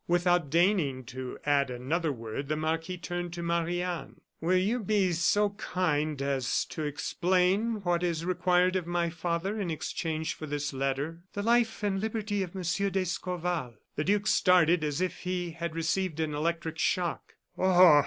Without deigning to add another word, the marquis turned to Marie Anne. "Will you be so kind as to explain what is required of my father in exchange for this letter?" "The life and liberty of Monsieur d'Escorval." The duke started as if he had received an electric shock. "Ah!"